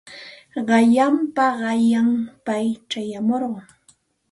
Qanyanpa qanyan pay chayamurqa.